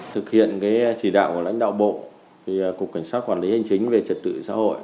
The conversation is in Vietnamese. thực hiện chỉ đạo của lãnh đạo bộ cục cảnh sát quản lý hành chính về trật tự xã hội